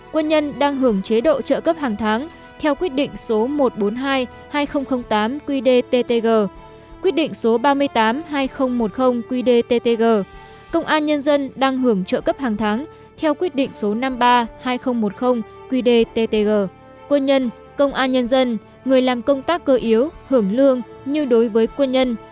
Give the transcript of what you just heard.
quân nhân công an nhân dân người làm công tác cơ yếu hưởng lương như đối với quân nhân